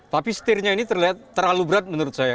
tapi setirnya ini terlihat terlalu berat menurut saya